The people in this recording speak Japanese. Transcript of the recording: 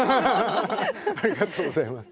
ありがとうございます。